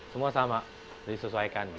semua sama disesuaikan gitu